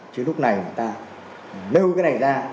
chứ lúc này ta nêu cái này ra